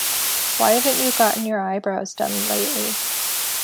Why haven’t you gotten your eyebrows done lately?